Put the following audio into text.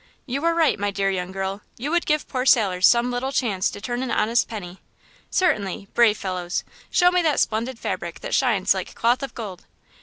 "You are right, my dear young lady! You would give poor sailors some little chance to turn an honest penny!" "Certainly! Brave fellows! Show me that splendid fabric that shines like cloth of gold."